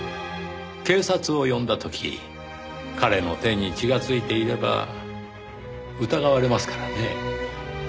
警察を呼んだ時彼の手に血がついていれば疑われますからね。